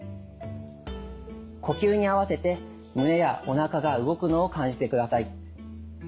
呼吸にあわせて胸やおなかが動くのを感じてください。